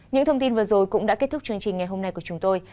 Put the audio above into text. những thông tin vừa rồi cũng đã kết thúc chương trình ngày hôm nay của chúng tôi